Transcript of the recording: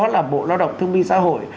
là bộ lao động thương minh xã hội